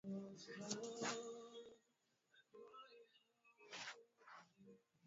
Taarifa ya jeshi la jamhuri ya kidemokrasia ya Kongo imesema kwamba